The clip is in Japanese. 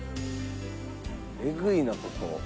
えぐいなここ。